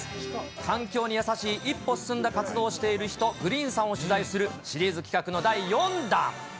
環境に優しい一歩進んだ活動をしている人、Ｇｒｅｅｎさんを紹介するシリーズ企画の第４弾。